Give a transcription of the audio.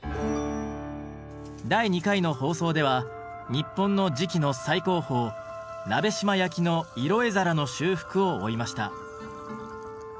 第２回の放送では日本の磁器の最高峰鍋島焼の色絵皿の修復を追いました。